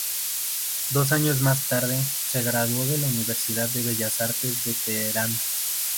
Dos años más tarde, se graduó de la universidad de bellas artes de Teherán.